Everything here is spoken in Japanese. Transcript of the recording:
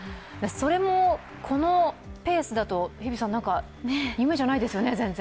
それも、このペースだとなんか夢じゃないですよね、全然。